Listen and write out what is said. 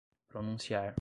pronunciar